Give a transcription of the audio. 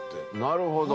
なるほど。